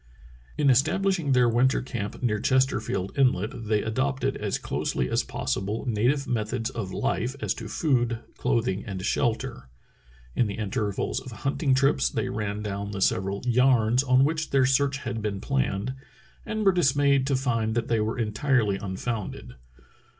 In establishing their winter camp near Chesterfield 314 True Tales of Arctic Heroism Inlet they adopted as closely as possible native methods of life as to food, clothing, and shelter. In the inter vals of hunting trips they ran down the several ''yarns " on which their search had been planned, and were dis mayed to find that they were entirely unfounded.